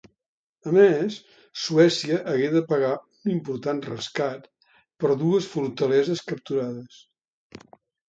A més, Suècia hagué de pagar un important rescat per dues fortaleses capturades.